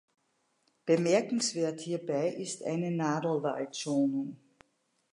Bemerkenswert hierbei ist eine Nadelwaldschonung.